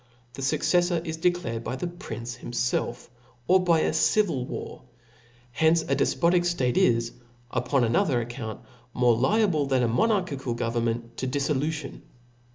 The fucceflbr is declared [ by the prince himfelf, or by a civil war. Hence ^ defpotic ftate is, upon another account, qiore liable r th^n a monarchical government to diflblution.